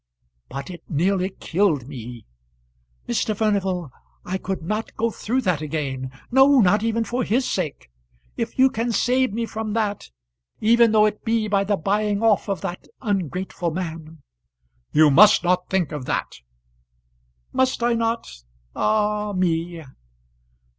But it nearly killed me. Mr. Furnival, I could not go through that again; no, not even for his sake. If you can save me from that, even though it be by the buying off of that ungrateful man " "You must not think of that." "Must I not? ah me!"